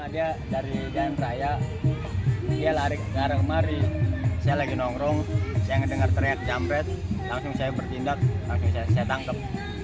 dia dari jalan raya dia lari ke kamar saya lagi nongkrong saya dengar teriak jambet langsung saya bertindak langsung saya tangkap